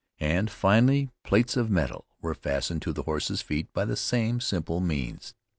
And finally plates of metal were fastened to the horse's feet by the same simple means.